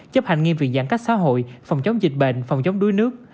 chấp hành nghiêm việc giãn cách xã hội phòng chống dịch bệnh phòng chống đuối nước